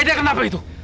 aida kenapa itu